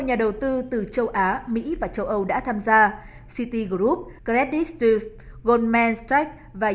nhà đầu tư từ châu á mỹ và châu âu đã tham gia citigroup credit suisse goldman sachs và